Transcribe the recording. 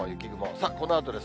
さあ、このあとです。